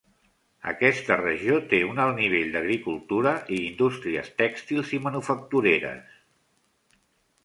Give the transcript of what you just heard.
Aquesta regió té un alt nivell d'agricultura i indústries tèxtils i manufactureres.